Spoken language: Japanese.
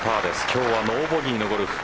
今日はノーボギーのゴルフ。